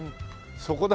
そこだ。